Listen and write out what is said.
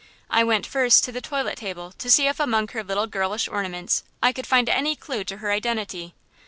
I went first to the toilet table to see if among her little girlish ornaments, I could find any clue to her identity.